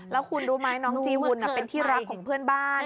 แล้วคุณรู้ไหมน้องจีวุ่นเป็นที่รักของเพื่อนบ้าน